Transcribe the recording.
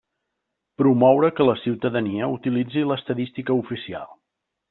Promoure que la ciutadania utilitzi l'estadística oficial.